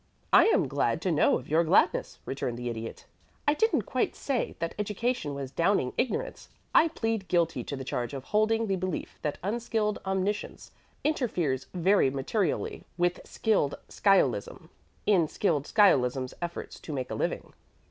"I am glad to know of your gladness," returned the Idiot. "I didn't quite say that education was downing ignorance. I plead guilty to the charge of holding the belief that unskilled omniscience interferes very materially with skilled sciolism in skilled sciolism's efforts to make a living."